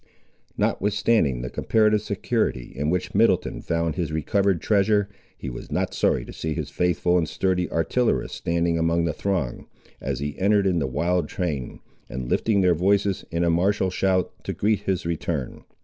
Notwithstanding the comparative security in which Middleton found his recovered treasure, he was not sorry to see his faithful and sturdy artillerists standing among the throng, as he entered in the wild train, and lifting their voices, in a martial shout, to greet his return.